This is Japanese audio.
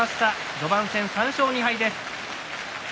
序盤戦３勝２敗です。